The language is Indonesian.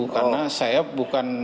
karena saya bukan